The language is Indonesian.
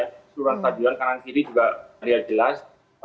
seluruh stadion kanan kiri juga terlihat jelas